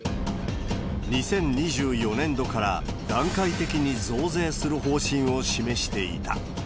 ２０２４年度から段階的に増税する方針を示していた。